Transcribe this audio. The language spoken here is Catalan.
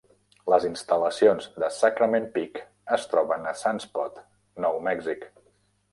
Les instal·lacions de Sagrament Peak es troben en Sunspot, Nou Mèxic.